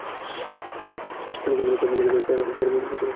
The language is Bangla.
যদি গুরুতর কিছু পাওয়া যায়, তাহলে দুঃসংবাদই অপেক্ষা করছে রিয়াল তারকাদ্বয়ের জন্য।